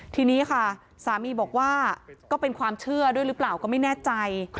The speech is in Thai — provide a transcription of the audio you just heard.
ทีนี้ค่ะสามีบอกว่าก็เป็นความเชื่อด้วยหรือเปล่าก็ไม่แน่ใจ